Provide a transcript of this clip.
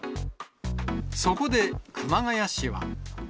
そこで熊谷市は。